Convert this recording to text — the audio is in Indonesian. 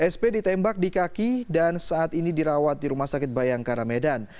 sp ditembak di kaki dan saat ini dirawat di rumah sakit bayangkara medan